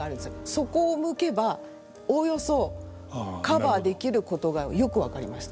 そこを向けばおおよそカバーできることがよく分かりました。